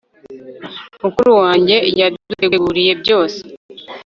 mukuru wanjye yaduteguriye byose